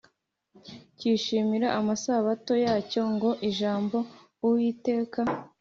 Cyishimira amasabato yacyo ngo ijambo uwiteka